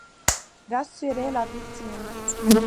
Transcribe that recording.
Rassurer la victime.